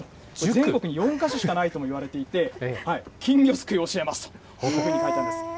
全国に４か所しかないともいわれていて、金魚すくいを教えますとこのように書いてあるんですね。